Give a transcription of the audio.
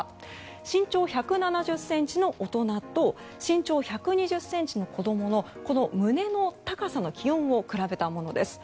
身長１７０ｃｍの大人と身長１２０ｃｍの子供の胸の高さの気温を比べたものです。